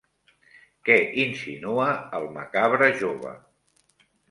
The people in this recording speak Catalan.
Què insinua el macabre jove?